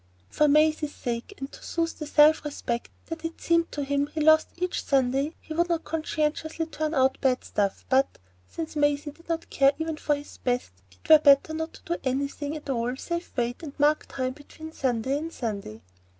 For Maisie's sake, and to soothe the self respect that it seemed to him he lost each Sunday, he would not consciously turn out bad stuff, but, since Maisie did not care even for his best, it were better not to do anything at all save wait and mark time between Sunday and Sunday.